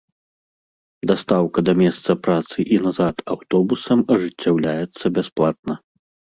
Дастаўка да месца працы і назад аўтобусам ажыццяўляецца бясплатна.